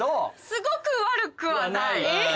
すごく悪くはない。